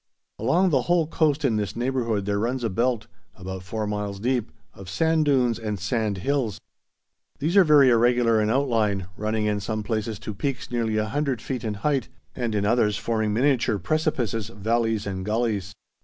Along the whole coast in this neighbourhood there runs a belt, about four miles deep, of sand dunes and sand hills. These are very irregular in outline, running in some places to peaks nearly 100 feet in height, and in others forming miniature precipices, valleys and gullies.